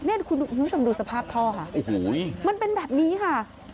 คุณผู้ชมดูสภาพท่อค่ะโอ้โหมันเป็นแบบนี้ค่ะ